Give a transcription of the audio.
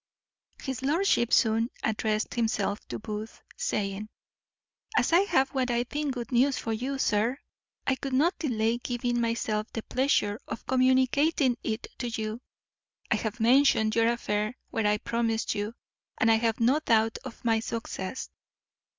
His lordship soon addressed himself to Booth, saying, "As I have what I think good news for you, sir, I could not delay giving myself the pleasure of communicating it to you. I have mentioned your affair where I promised you, and I have no doubt of my success.